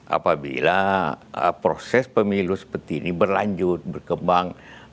apabila proses pemilu seperti ini berlanjut berkembang